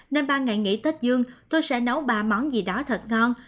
nên ba ngày nghỉ tết dương tôi sẽ nấu ba món gì đó thật ngon